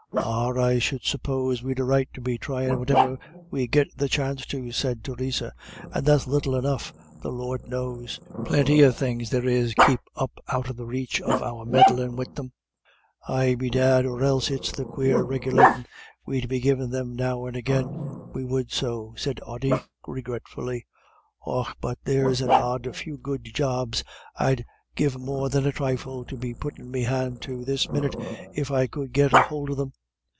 "Ah, I should suppose we'd a right to be thryin' whativer we get the chance to," said Theresa, "and that's little enough, the Lord knows. Plinty of things there is kep' up out of the raich of our meddlin' wid them." "Ay bedad, or else it's the quare regulatin' we'd be givin' them now and agin we would so," said Ody, regretfully. "Och, but there's an odd few good jobs I'd give more than a thrifle to be puttin' me hand to this minyit if I could get a hould of them."